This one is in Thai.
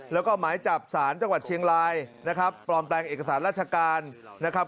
แล้วก็หมายจับสารจังหวัดเชียงรายนะครับปลอมแปลงเอกสารราชการนะครับ